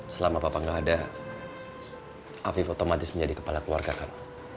selama papa nggak ada afif otomatis menjadi kepala keluarga kan